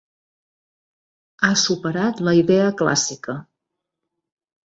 Ha superat la idea clàssica...